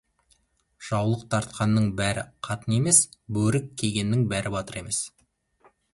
Жаулық тартқанның бәрі қатын емес, бөрік кигеннің бәрі батыр емес.